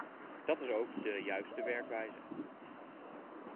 Dat is ook de juiste werkwijze.